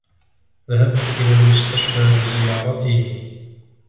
ذهبت إلى المستشفى لزيارته.